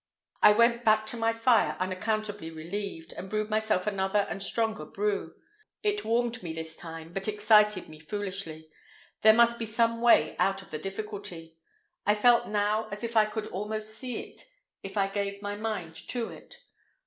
I went back to my fire unaccountably relieved, and brewed myself another and a stronger brew. It warmed me this time, but excited me foolishly. There must be some way out of the difficulty. I felt now as if I could almost see it if I gave my mind to it.